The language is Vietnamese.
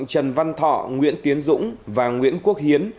trần văn thọ nguyễn tiến dũng và nguyễn quốc hiến